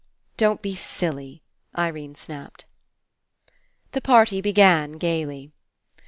''Don't be silly!" Irene snapped. The party began gaily.